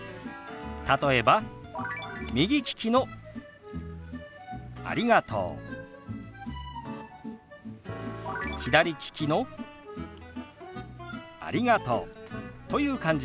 例えば右利きの「ありがとう」左利きの「ありがとう」という感じです。